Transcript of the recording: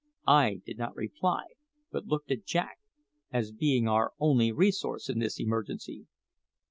I did not reply, but looked at Jack, as being our only resource in this emergency.